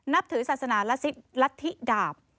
นับถือศาสนารัศนีรัฐธิดาบ